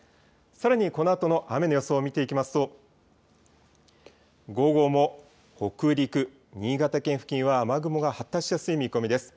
さらにこのあとの雨の予想を見ていきますと、午後も北陸、新潟県付近は雨雲が発達しやすい見込みです。